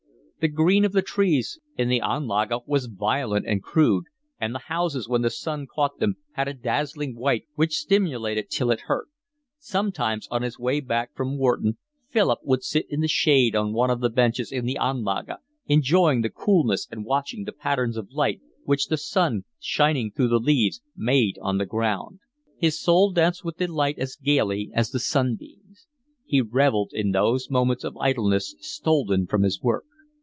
The green of the trees in the Anlage was violent and crude; and the houses, when the sun caught them, had a dazzling white which stimulated till it hurt. Sometimes on his way back from Wharton Philip would sit in the shade on one of the benches in the Anlage, enjoying the coolness and watching the patterns of light which the sun, shining through the leaves, made on the ground. His soul danced with delight as gaily as the sunbeams. He revelled in those moments of idleness stolen from his work.